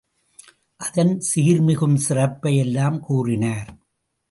அதன் சீர்மிகும் சிறப்பை எல்லாம் கூறினார்.